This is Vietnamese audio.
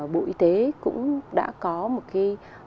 bộ y tế cũng đã có một cái